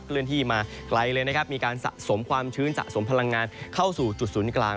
เลื่อนที่มาไกลเลยนะครับมีการสะสมความชื้นสะสมพลังงานเข้าสู่จุดศูนย์กลาง